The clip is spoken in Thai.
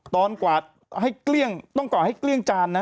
กวาดให้เกลี้ยงต้องกวาดให้เกลี้ยงจานนะ